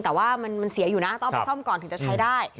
แต่ว่ามันเสียอยู่นะต้องเอาไปซ่อมก่อนถึงจะใช้ได้